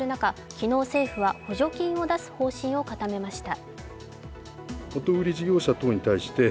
昨日、政府は補助金を出す方針を固めました。